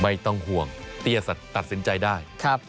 ไม่ต้องห่วงเตี้ยตัดสินใจได้